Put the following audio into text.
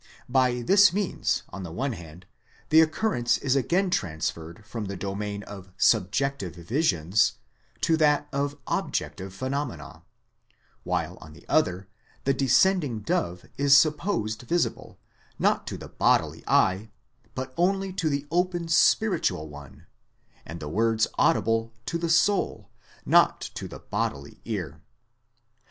By this means, on the one hand, the occurrence is again transferred from the domain of subjective visions to that of objective phenomena; while on the other, the descending dove is supposed visible, not to the bodily eye, but only to the open spiritual one, and the words audible to the soul, not to the bodily ear.